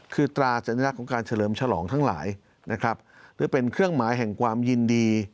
คือตราสัญลักษณ์ของการเฉลิมฉลองทั้งหลายนะครับหรือเป็นเครื่องหมายแห่งความยินดี